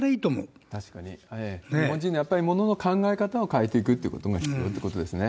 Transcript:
日本人がやっぱりものの考え方を変えていくということが必要ということですね。